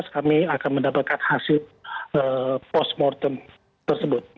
kami akan mendapatkan hasil postmortem tersebut